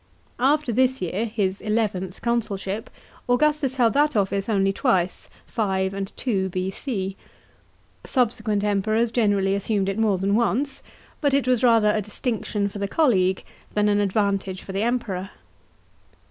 After this year, his eleventh consulship, Augustus held that office only twice (5 and 2 B.C.). Subsequent Emperors generally assumed it more than once ; but it was rather a distinction for the colleague than an advantage for the Emperor.